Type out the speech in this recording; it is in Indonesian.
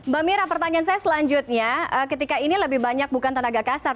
mbak mira pertanyaan saya selanjutnya ketika ini lebih banyak bukan tenaga kasar